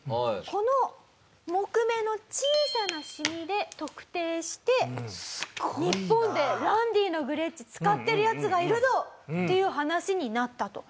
この木目の小さなシミで特定して「日本でランディのグレッチ使ってるヤツがいるぞ！」っていう話になったと。